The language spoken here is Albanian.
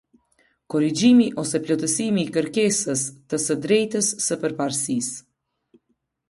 Korrigjimi ose plotësimi i kërkesës të së drejtës së përparësisë.